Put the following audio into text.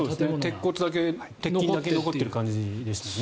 鉄骨だけ、鉄筋だけ残っている感じでしたね。